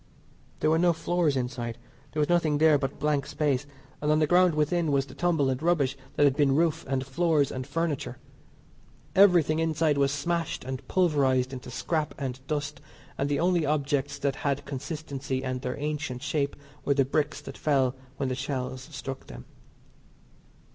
There were no floors inside, there was nothing there but blank space; and on the ground within was the tumble and rubbish that had been roof and floors and furniture. Everything inside was smashed and pulverised into scrap and dust, and the only objects that had consistency and their ancient shape were the bricks that fell when the shells struck them.